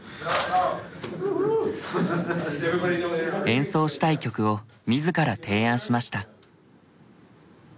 演奏したい曲を自ら提案しました。